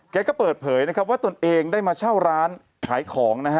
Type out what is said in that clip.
แก๊ก็เปิดเผยว่าตนเองได้มาเช่าร้านขายของ